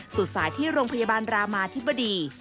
สายที่โรงพยาบาลรามาธิบดี